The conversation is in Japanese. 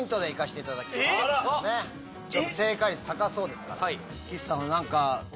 えっ⁉正解率高そうですから。